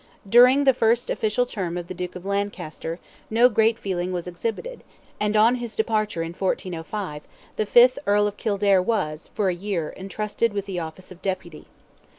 During the first official term of the Duke of Lancaster, no great feeling was exhibited, and on his departure in 1405, the fifth Earl of Kildare was, for a year, entrusted with the office of Deputy.